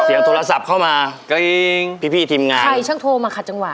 เสียงโทรศัพท์เข้ามาพี่พี่ทีมงานใครช่างโทรมาขัดจังหวะ